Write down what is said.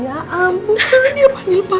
ya ampun dia manggil